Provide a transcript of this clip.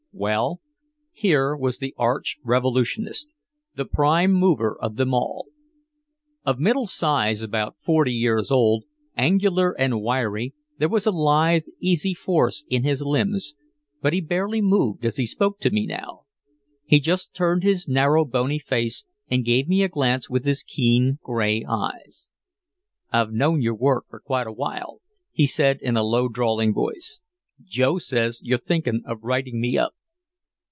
Well, here was the arch revolutionist, the prime mover of them all. Of middle size, about forty years old, angular and wiry, there was a lithe easy force in his limbs, but he barely moved as he spoke to me now. He just turned his narrow bony face and gave me a glance with his keen gray eyes. "I've known your work for quite a while," he said in a low drawling voice, "Joe says you're thinking of writing me up."